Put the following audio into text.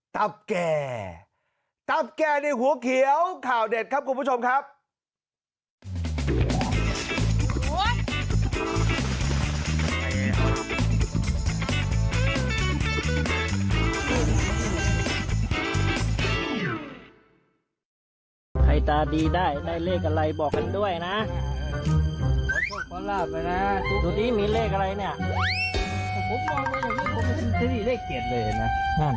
แก่ตับแก่ในหัวเขียวข่าวเด็ดครับคุณผู้ชมครับ